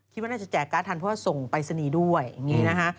คิดว่าน่าจะแจกการ์ดทันเพราะว่าส่งปรายศนีย์ด้วยอย่างนี้นะคะ